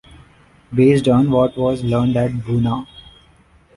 Based on what was learned at Buna.